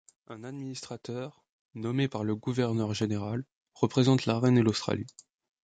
Un administrateur, nommé par le Gouverneur-général, représente la Reine et l'Australie.